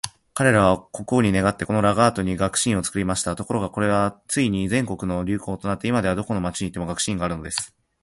彼等は国王に願って、このラガードに学士院を作りました。ところが、これがついに全国の流行となって、今では、どこの町に行っても学士院があるのです。